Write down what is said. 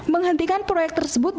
menghentikan proyek tersebut